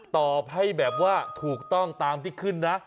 ตอบให้แบบว่าถูกต้องตามที่ขึ้นนะ